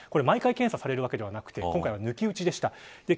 毎回検査されるわけではなく今回は、抜き打ちでした。